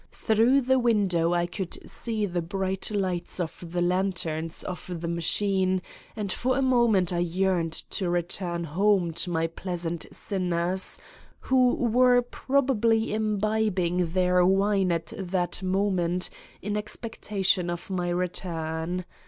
Through the window I could see the bright lights of the lanterns of the machine and for a moment I yearned to return home to my pleasant sinners, who were probably imbibing their wine at that moment in expectation of my return.